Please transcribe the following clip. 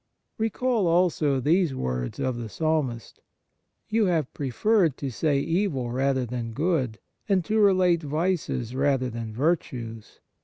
Recall also these words of the Psalmist :" You have preferred to say evil rather than good, and to relate vices rather than virtues.